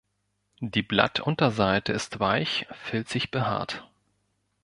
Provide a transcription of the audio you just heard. Die Blattunterseite ist weich filzig behaart.